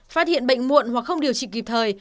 phát hiện bệnh muộn hoặc không điều trị kịp thời